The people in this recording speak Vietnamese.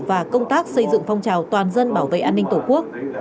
và công tác xây dựng phong trào toàn dân bảo vệ an ninh tổ quốc